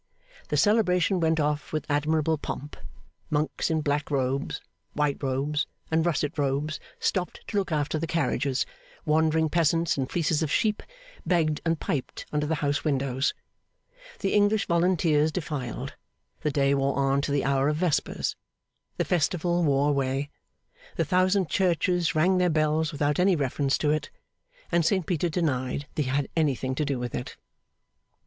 The celebration went off with admirable pomp; monks in black robes, white robes, and russet robes stopped to look after the carriages; wandering peasants in fleeces of sheep, begged and piped under the house windows; the English volunteers defiled; the day wore on to the hour of vespers; the festival wore away; the thousand churches rang their bells without any reference to it; and St Peter denied that he had anything to do with it.